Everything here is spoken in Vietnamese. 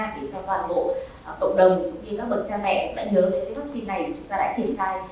để cho toàn bộ cộng đồng như các bậc cha mẹ nhớ đến vắc xin này chúng ta đã triển khai